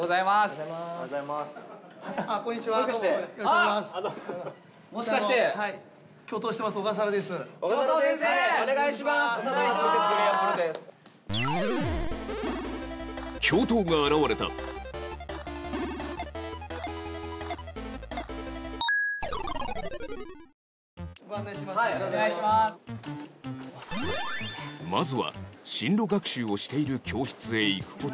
まずは進路学習をしている教室へ行く事に